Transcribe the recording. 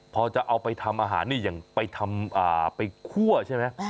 พอจะเอาไปทำอาหารเนี้ยอย่างไปทำอ่าไปคั่วใช่มั้ย